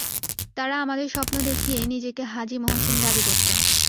তারা আমাদের স্বপ্ন দেখিয়ে নিজেকে হাজী মহসিন দাবি করত।